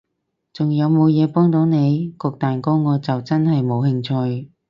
仲有無嘢幫到你？焗蛋糕我就真係冇興趣